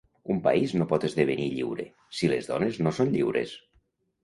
Un país no pot esdevenir lliure, si les dones no són lliures!